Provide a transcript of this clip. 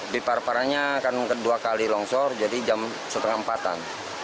di parparannya akan kedua kali longsor jadi jam setengah empatan